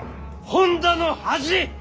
本多の恥！